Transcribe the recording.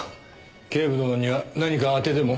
警部殿には何か当てでも？